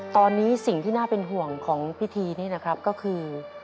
ตอนนี้สิ่งที่น่าเป็นห่วงของพิธีนี่นะครับก็คือ